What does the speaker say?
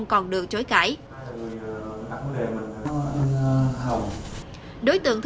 các hoa sinh